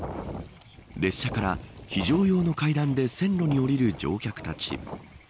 列車から非常用の階段で線路に降りる乗客たち。